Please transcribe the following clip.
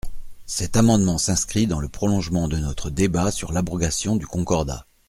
Cet amendement s’inscrit dans le prolongement de notre débat sur l’abrogation du Concordat.